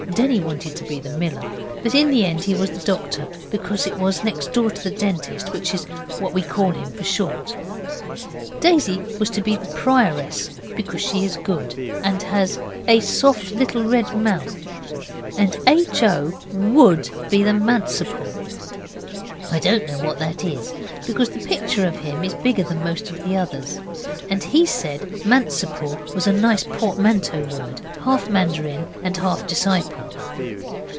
Denny wanted to be the Miller, but in the end he was the Doctor, because it was next door to Dentist, which is what we call him for short. Daisy was to be the Prioress because she is good, and has 'a soft little red mouth', and H. O. WOULD be the Manciple (I don't know what that is), because the picture of him is bigger than most of the others, and he said Manciple was a nice portmanteau word half mandarin and half disciple.